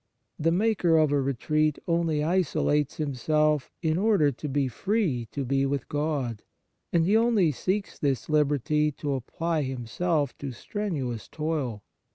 The maker of a retreat only isolates him self in order to be free to be with God, and he only seeks this liberty to apply himself to strenuous toil.